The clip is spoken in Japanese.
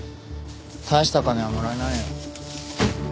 大した金はもらえないよ。